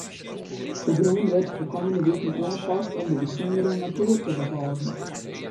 De grûn wurdt de kommende wiken oanpast om de bysûndere natuer te behâlden.